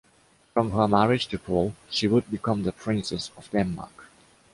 From her marriage to Paul, she would become the princess of Denmark.